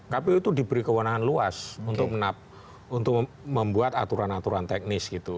kpu itu diberi kewenangan luas untuk membuat aturan aturan teknis gitu